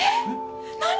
何？